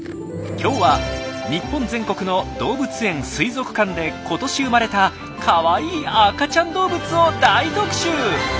今日は日本全国の動物園・水族館で今年生まれたカワイイ赤ちゃん動物を大特集！